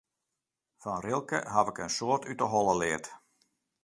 Fan Rilke haw ik in soad út de holle leard.